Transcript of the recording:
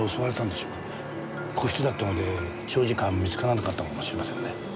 個室だったので長時間見つからなかったのかもしれませんね。